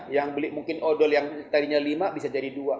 yang beli mungkin odol yang tadinya lima bisa jadi dua